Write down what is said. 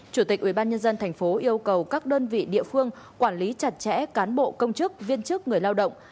chủ tịch ubnd tp yêu cầu các đơn vị địa phương quản lý chặt chẽ cán bộ công chức viên chức người lao động